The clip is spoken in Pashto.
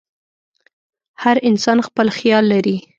هر انسان خپل خیال لري.